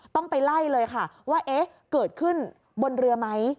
ต้องไปไล่เลยค่ะว่าเอ๊ะเกิดขึ้นบนเรือไหม